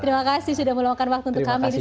terima kasih sudah meluangkan waktu untuk kami di sini